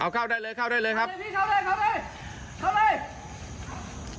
เอาเข้าได้เลยเข้าได้เลยครับพี่เข้าได้เข้าได้เข้าได้